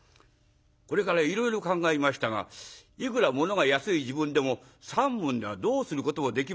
これからいろいろ考えましたがいくらものが安い時分でも３文ではどうすることもできませんで。